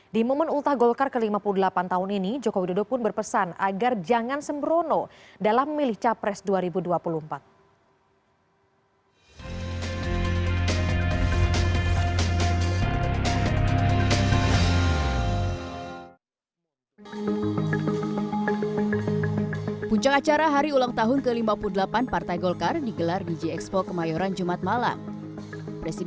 di momen ultah golkar ke lima puluh delapan tahun ini jokowi dodo pun berpesan agar jangan sembrono dalam milih capres dua ribu dua puluh empat